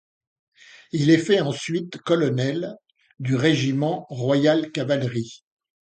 Il est fait ensuite colonel du régiment Royal-Cavalerie.